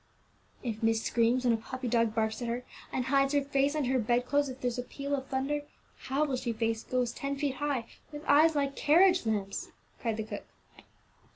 "If miss screams when a puppy dog barks at her, and hides her face under her bed clothes if there's a peal o' thunder, how will she face ghosts ten feet high, with eyes like carriage lamps?" cried the cook.